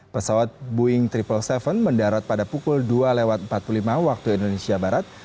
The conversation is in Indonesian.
pesawat boeing tujuh ratus tujuh mendarat pada pukul dua empat puluh lima waktu indonesia barat